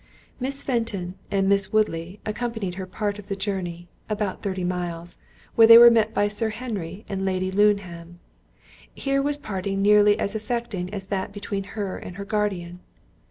Miss Fenton and Miss Woodley accompanied her part of the journey, about thirty miles, where they were met by Sir Harry and Lady Luneham. Here was a parting nearly as affecting as that between her and her guardian.